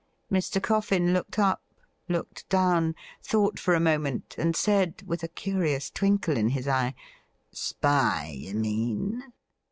Mr. Coffin looked up, looked down, thought for a moment, and said, with a curious twinkle in his eye :' Spy, you mean